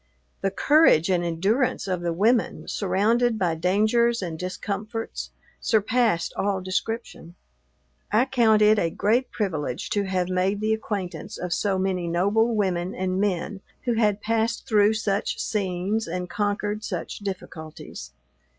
The courage and endurance of the women, surrounded by dangers and discomforts, surpassed all description. I count it a great privilege to have made the acquaintance of so many noble women and men who had passed through such scenes and conquered such difficulties.